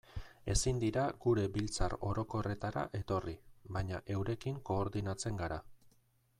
Ezin dira gure biltzar orokorretara etorri, baina eurekin koordinatzen gara.